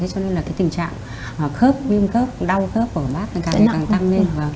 cho nên là tình trạng khớp viêm khớp đau khớp của bác càng càng tăng lên